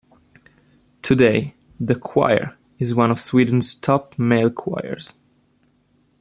Today, the choir is one of Sweden's top male choirs.